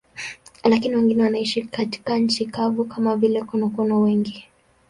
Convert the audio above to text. Lakini wengine wanaishi katika nchi kavu, kama vile konokono wengi.